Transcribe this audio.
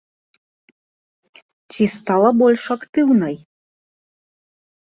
Ці стала больш актыўнай?